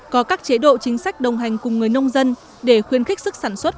có các chế độ chính sách đồng hành cùng người nông dân để khuyên khích sức sản xuất